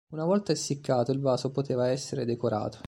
Una volta essiccato il vaso poteva essere decorato.